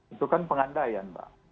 itu kan pengandaian mbak